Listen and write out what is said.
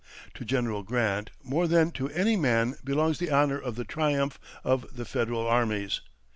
To General Grant more than to any man belongs the honour of the triumph of the Federal armies.